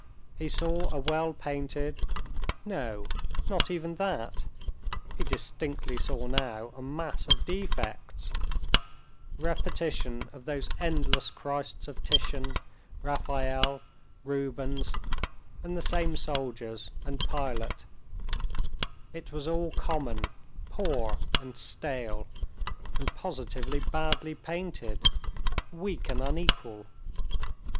He saw a well painted (no, not even that—he distinctly saw now a mass of defects) repetition of those endless Christs of Titian, Raphael, Rubens, and the same soldiers and Pilate. It was all common, poor, and stale, and positively badly painted—weak and unequal.